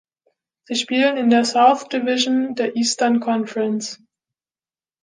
Sie spielen in der South Division der Eastern Conference.